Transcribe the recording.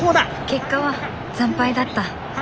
結果は惨敗だった。